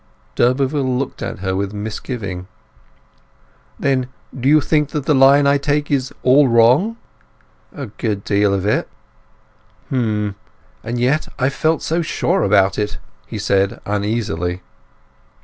D'Urberville looked at her with misgiving. "Then do you think that the line I take is all wrong?" "A good deal of it." "H'm—and yet I've felt so sure about it," he said uneasily.